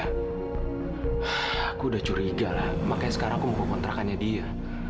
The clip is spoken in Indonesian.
aku udah curiga lah makanya sekarang aku mau kontrakannya dia